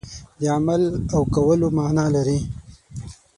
د عمل او کولو معنا لري.